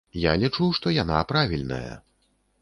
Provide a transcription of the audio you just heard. Я лічу, што яна правільная.